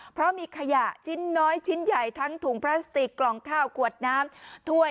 เพราะมีขยะชิ้นน้อยชิ้นใหญ่ทั้งถุงพลาสติกกล่องข้าวขวดน้ำถ้วย